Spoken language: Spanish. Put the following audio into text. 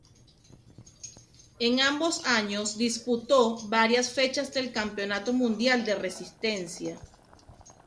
En ambos años, disputó varias fechas del Campeonato Mundial de Resistencia.